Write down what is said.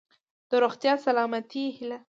د روغتیا ،سلامتۍ هيله .💡